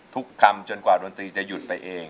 ทุกคำจนกว่าดนตรีจะหยุดไปเอง